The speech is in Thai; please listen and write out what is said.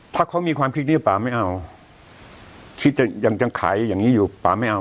ถ้าเขามีความคิดนี้ป่าไม่เอาคิดจะยังยังขายอย่างนี้อยู่ป่าไม่เอา